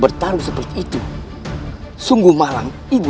bahkan aku tidak akan membiarkanmu